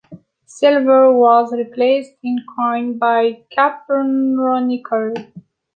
Silver was replaced in coins by cupronickel.